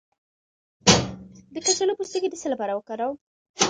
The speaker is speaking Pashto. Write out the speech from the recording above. د کچالو پوستکی د څه لپاره وکاروم؟